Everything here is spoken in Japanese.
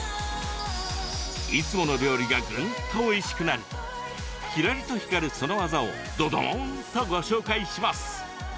いつもの料理がぐんとおいしくなるキラリと光るその技をどどーんとご紹介します。